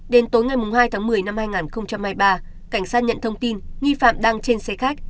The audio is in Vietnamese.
đến tối ngày hai tháng một mươi năm hai nghìn hai mươi ba cảnh sát nhận thông tin nghi phạm đang trên xe khách